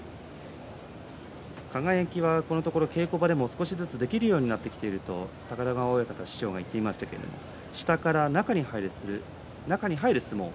輝はこのところ稽古場でも少しずつできるようになったということで高田川師匠が言っていましたけども下から中に入る相撲